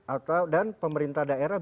atau dan pemerintah daerah